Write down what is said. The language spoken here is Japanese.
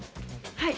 はい。